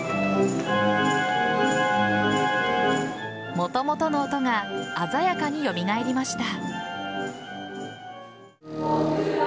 もともとの音が鮮やかに蘇りました。